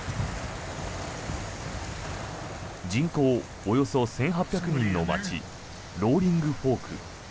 人口およそ１８００人の町ローリングフォーク。